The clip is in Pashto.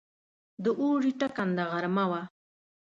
د اوړي ټکنده غرمه وه.